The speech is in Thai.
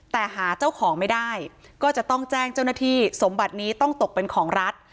แต่หาเจ้าของไม่ได้ก็จะต้องแจ้งเจ้าหน้าที่สมบัตินี้ต้องตกเป็นของรัฐ